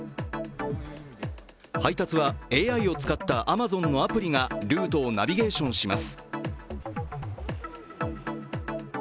配達はＡＩを使ったアマゾンのアプリがルートをナビゲーションします。